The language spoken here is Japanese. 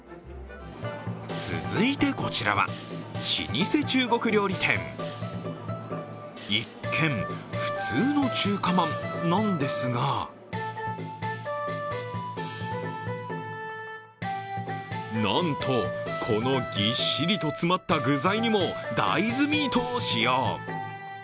続いて、こちらは老舗中国料理店一見、普通の中華まんなんですがなんと、このぎっしりと詰まった具材にも大豆ミートを使用。